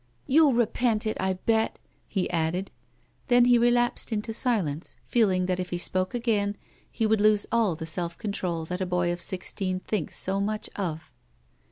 "You'll repent it, I bet !" he added. Then he relapsed into silence, feeling that if he spoke again he would lose all the self control that a boy of sixteen thinks so much of.